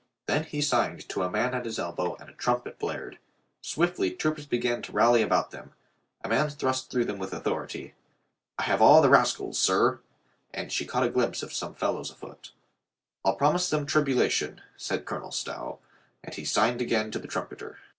Then he signed to a man at his elbow and a trumpet blared. Swiftly troopers began to rally about them. A man thrust through them 312 COLONEL GREATHEART with authority. "I have all the rascals, sir," and she caught a glimpse of some fellows afoot. "I'll promise them tribulation," said Colonel Stow. And he signed again to the trumpeter.